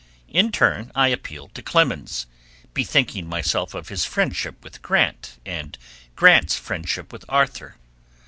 In turn I appealed to Clemens, bethinking myself of his friendship with Grant and Grant's friendship with Arthur.